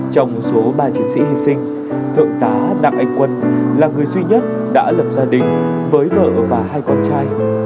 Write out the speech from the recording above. trong số ba chiến sĩ hy sinh thượng tá đặng anh quân là người duy nhất đã lập gia đình với vợ và hai con trai